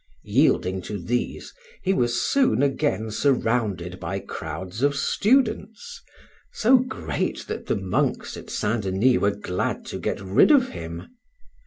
Yielding to these, he was soon again surrounded by crowds of students so great that the monks at St. Denis were glad to get rid of him.